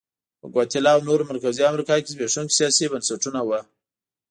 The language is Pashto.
په ګواتیلا او نورو مرکزي امریکا کې زبېښونکي سیاسي بنسټونه وو.